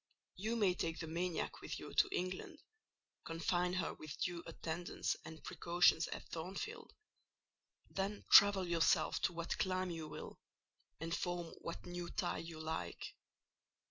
You may take the maniac with you to England; confine her with due attendance and precautions at Thornfield: then travel yourself to what clime you will, and form what new tie you like.